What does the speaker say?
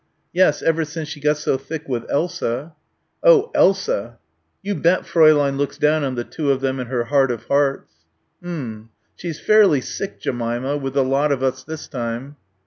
"Yes, ever since she got so thick with Elsa." "Oh! Elsa." "You bet Fräulein looks down on the two of them in her heart of hearts." "M'm she's fairly sick, Jemima, with the lot of us this time."